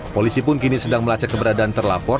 polisi pun kini sedang melacak keberadaan terlapor